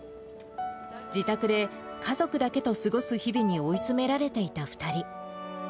自宅で、家族だけと過ごす日々に追い詰められていた２人。